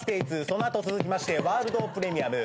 その後続きましてワールドプレミアム。